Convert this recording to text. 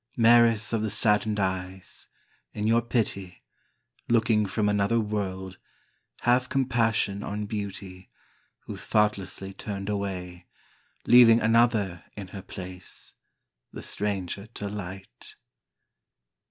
Maris of the saddened eyes, In your pity, Looking from another world Have compassion on beauty Who thoughtlessly turned away, Leaving another in her place The stranger to light.